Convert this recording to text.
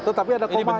tetapi ada komanya